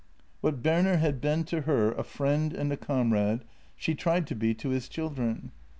What Berner had been to her — a friend and a comrade — she tried to be to his children.